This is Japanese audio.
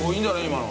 今の。